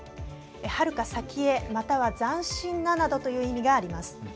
はるか先へ、または斬新ななどという意味があります。